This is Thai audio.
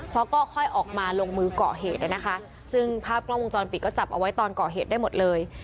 เพราะก็ค่อยออกมาลงมือก่อเหตุนะคะซึ่งภาพกล้องวงจรปิดก็จับเอาไว้ตอนก่อเหตุได้หมดเลย